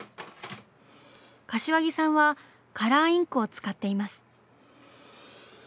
柏木さんはカラーインクを使っています。